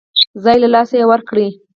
ځای له لاسه ورکړي.